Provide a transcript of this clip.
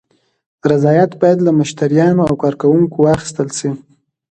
رضایت باید له مشتریانو او کارکوونکو واخیستل شي.